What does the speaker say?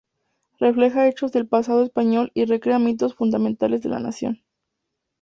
Refleja hechos del pasado español y recrea mitos fundamentales de la nación.